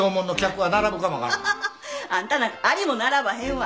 ハハハ。あんたなんかアリも並ばへんわ。